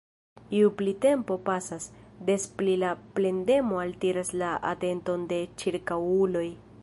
Ju pli tempo pasas, des pli la plendemo altiras la atenton de ĉirkaŭuloj.